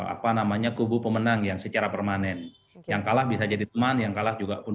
apa namanya kubu pemenang yang secara permanen yang kalah bisa jadi teman yang kalah juga pun